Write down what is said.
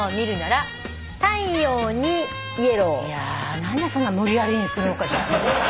いや何でそんなに無理やりにするのかしら。